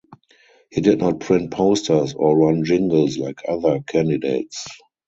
He did not print posters or run jingles like other candidates.